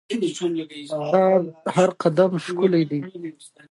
ستا د هرقدم ښکالو به